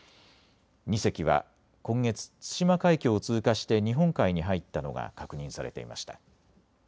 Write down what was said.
２隻は今月、対馬海峡を通過して日本海に入ったのが確認されていました。